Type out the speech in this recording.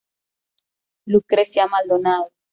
Lucrecia Maldonado.